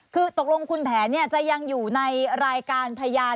คือตกลงคุณแผนจะยังอยู่ในรายการพยาน